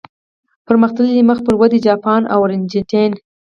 پرمختللي، مخ پر ودې، جاپان او ارجنټاین.